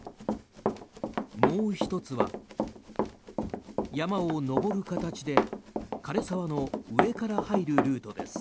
もう１つは山を登る形で枯れ沢の上から入るルートです。